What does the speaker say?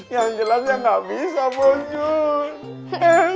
yang jelasnya gak bisa om jir